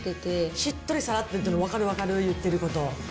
しっとりさらって、分かる、分かる、言ってること。